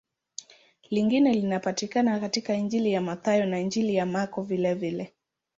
Lingine linapatikana katika Injili ya Mathayo na Injili ya Marko vilevile.